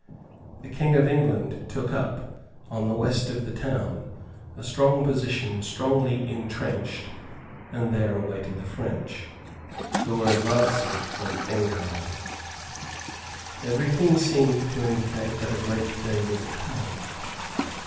The King of England took up, on the west of the town, a strong position strongly intrenched, and there awaited the French, who were advancing from Enghien. Every thing seemed to indicate that a great day was at hand.